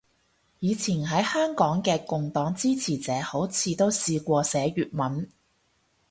以前喺香港嘅共黨支持者好似都試過寫粵文